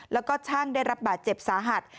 แล้วก็ช่างได้รับบาดเจ็บสาหัส